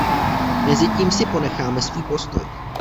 Mezitím si ponecháme svůj postoj.